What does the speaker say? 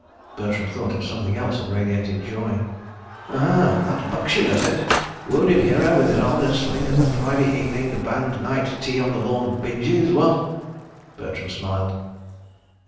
Bertram thought of something else and radiated joy. "Aha! That bucks you, does it? Wounded hero with his arm in a sling at the Friday evening band night tea on the lawn binges, what?" Bertram smiled.